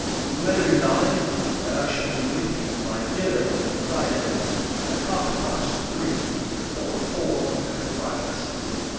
You may rely, that I shall be with you by dinner, on Friday; at half past three, or four at farthest.